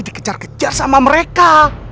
dikejar kejar sama mereka